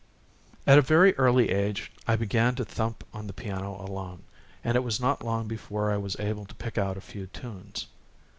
At a very early age I began to thump on the piano alone, and it was not long before I was able to pick out a few tunes.